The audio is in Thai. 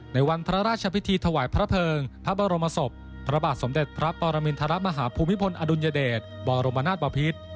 ในวันพระราชพิธีถวายพระเภิงพระบรมศพพระบาทสมเด็จพระปรมินทรมาฮภูมิพลอดุลยเดชบรมนาศบพิษ